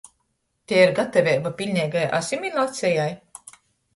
Tei ir gataveiba piļneigai asimilacejai??